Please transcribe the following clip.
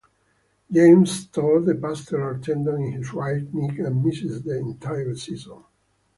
James tore the patellar tendon in his right knee and missed the entire season.